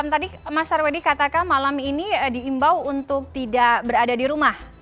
tadi mas sarwedi katakan malam ini diimbau untuk tidak berada di rumah